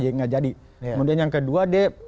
jadi gak jadi kemudian yang kedua dia